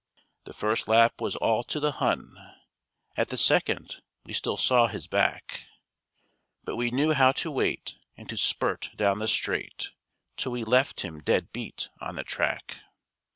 The first lap was all to the Hun, At the second we still saw his back; But we knew how to wait and to spurt down the straight, Till we left him dead beat on the track.